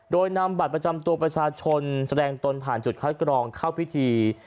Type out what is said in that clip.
โดยนำบัตรประจำตัวประชาชนแสดงตนผ่านจุดคัดกรองเข้าพิธี